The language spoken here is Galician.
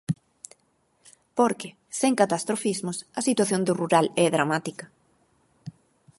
Porque, sen catastrofismos, a situación do rural é dramática.